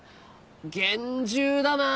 厳重だなあ！